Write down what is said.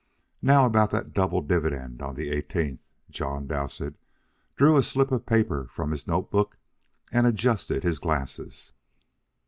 "Now about that double dividend on the eighteenth " John Dowsett drew a slip of paper from his note book and adjusted his glasses.